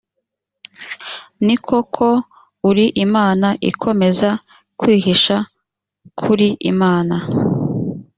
ni koko uri imana ikomeza kwihisha k uri imana